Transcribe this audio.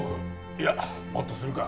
いやもっとするか。